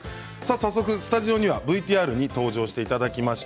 早速スタジオにはＶＴＲに登場していただきました